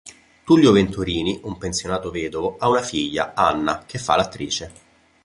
Tullio Venturini, un pensionato vedovo, ha una figlia, Anna, che fa l'attrice.